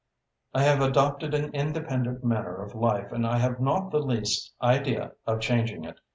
I have adopted an independent manner of life and I have not the least idea of changing it.